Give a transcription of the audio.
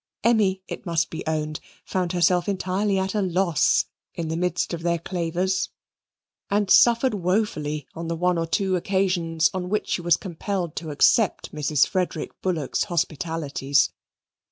Emmy, it must be owned, found herself entirely at a loss in the midst of their clavers, and suffered woefully on the one or two occasions on which she was compelled to accept Mrs. Frederick Bullock's hospitalities.